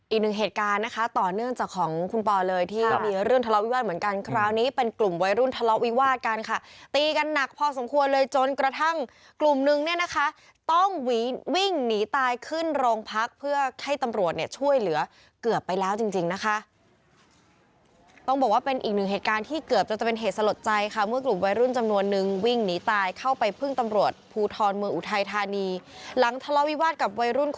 อีกหนึ่งเหตุการณ์นะคะต่อเนื่องจากของคุณปอล์เลยที่มีเรื่องทะเลาะวิวาดเหมือนกันคราวนี้เป็นกลุ่มวัยรุ่นทะเลาะวิวาดกันค่ะตีกันหนักพอสมควรเลยจนกระทั่งกลุ่มหนึ่งเนี่ยนะคะต้องวี่งหนีตายขึ้นโรงพักเพื่อให้ตำรวจเนี่ยช่วยเหลือเกือบไปแล้วจริงจริงนะคะต้องบอกว่าเป็นอีกหนึ่งเหตุการณ์ที่เกือบ